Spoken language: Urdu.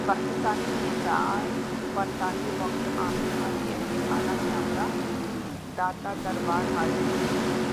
پاکستانی نژادبرطانوی باکسر عامر خان کی اہل خانہ کےہمراہ داتادربار حاضری